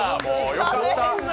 よかった。